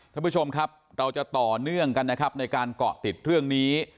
ท่านผู้ชมครับเราจะต่อเนื่องกันนะครับในการเกาะติดเรื่องนี้